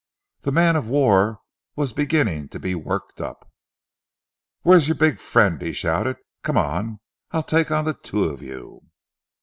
The man of war was beginning to be worked up. "Where's your big friend?" he shouted. "Come on! I'll take on the two of you."